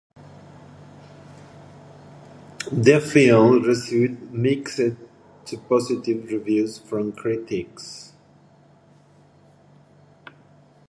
The film received mixed to positive reviews from critics.